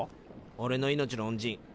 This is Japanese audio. おれの命の恩人。